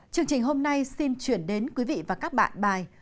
chương trình hôm nay xin chuyển đến quý vị và các bạn bài